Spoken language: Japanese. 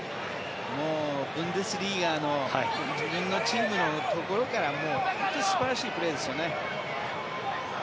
ブンデスリーガの自分のチームのところから本当に素晴らしいプレーですよね。